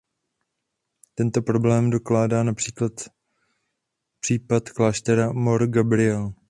Tento problém dokládá například případ kláštera Mor Gabriel.